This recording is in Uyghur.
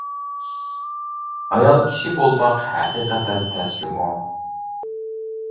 ئايال كىشى بولماق ھەقىقەتەن تەس جۇمۇ!